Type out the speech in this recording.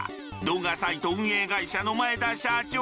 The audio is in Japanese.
動画サイト運営会社の前田社長。